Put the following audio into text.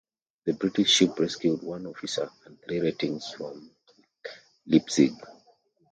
The British ship rescued one officer and three ratings from "Leipzig".